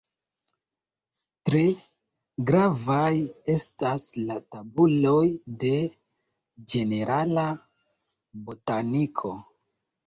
Tre gravaj estas la tabuloj de ĝenerala botaniko.